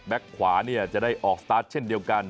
แบ๊กขวาเนี่ยจะได้ออกสตาร์ทเช่นเดียวกัน